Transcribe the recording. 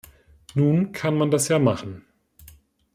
Nun kann man das ja machen.